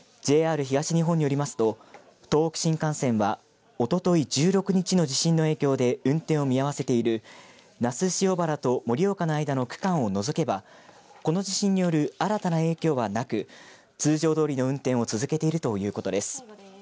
ＪＲ東日本によりますと東北新幹線はおととい１６日の地震の影響で運転を見合わせている那須塩原と盛岡の間の区間を除けばこの地震による新たな影響はなく通常どおりの運転を続けているということです。